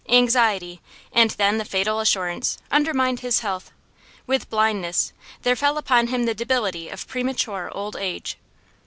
Anxiety, and then the fatal assurance, undermined his health; with blindness, there fell upon him the debility of premature old age.